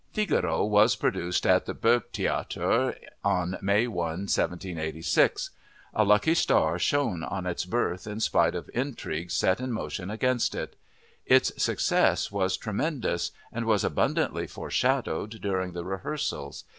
Figaro was produced at the Burgtheater on May 1, 1786. A lucky star shone on its birth in spite of intrigues set in motion against it. Its success was tremendous and was abundantly foreshadowed during the rehearsals.